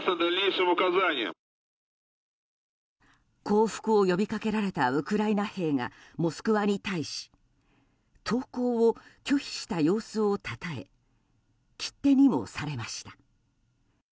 降伏を呼びかけられたウクライナ兵が「モスクワ」に対し投降を拒否した様子をたたえ切手にもされました。